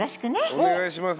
お願いします。